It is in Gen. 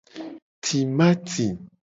Timati.